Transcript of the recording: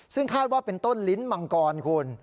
ซึ่งคาดว่าเป็นต้นลิ้นมังกรคุณ